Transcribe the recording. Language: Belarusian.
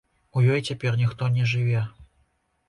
У ёй цяпер ніхто не жыве.